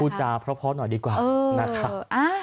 พูดจากพร้อมหน่อยดีกว่านะครับ